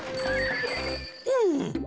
うん！